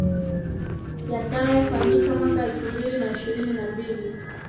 yatayofanyika mwaka elfu mbili na ishirini na mbili